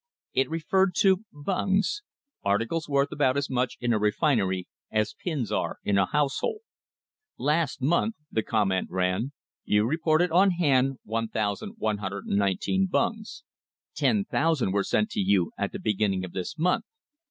It referred to bungs articles worth about as much in a refinery as pins are in a household. "Last month," the comment ran, "you reported on hand 1,119 bungs. Ten thou sand were sent you at the beginning of this month.